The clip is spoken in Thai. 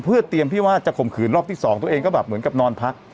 เพื่อเตรียมที่ว่าจะข่มขืนรอบที่สองตัวเองก็แบบเหมือนกับนอนพัก